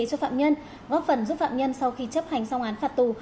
dạy nghề cho phạm nhân góp phần giúp phạm nhân sau khi chấp hành song án phạt tù